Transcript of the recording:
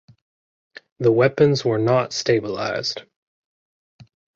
The weapons were not stabilised.